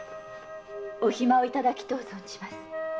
お暇をいただきとう存じます。